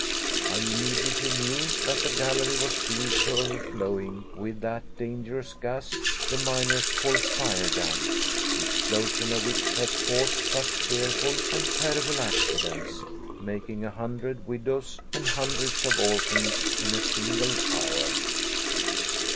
I immediately knew that the gallery was filled to overflowing with that dangerous gas the miners call fire damp, the explosion of which has caused such fearful and terrible accidents, making a hundred widows and hundreds of orphans in a single hour.